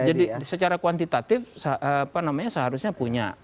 jadi secara kuantitatif seharusnya punya